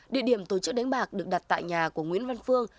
địa điểm tổ chức đánh bạc được đặt tại nhà của nguyễn văn phương